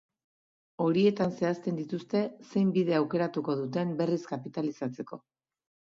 Horietan zehazten dituzte zein bide aukeratuko duten berriz kapitalizatzeko.